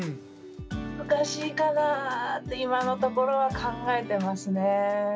難しいかな、今のところは考えてますね。